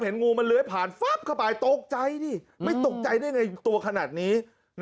เห็นงูมันเลื้อยผ่านแคบร์ตกใจไม่ตกใจได้ไงตัวขนาดนี้